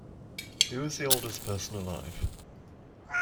Who is the oldest person alive?